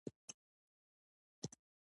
په فلاني کال کې په تلوار او پټه پیل شوه.